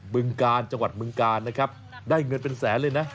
ึงกาลจังหวัดบึงกาลนะครับได้เงินเป็นแสนเลยนะ